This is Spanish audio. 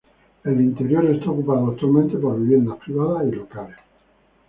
El interior está ocupado actualmente por viviendas privadas y locales.